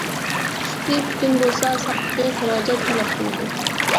ئۈستى پۈتۈن بولسا، ساقلىقى خىراجەت تەلەپ قىلىدۇ.